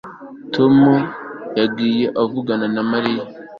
Tom yagiye avugana na Mariya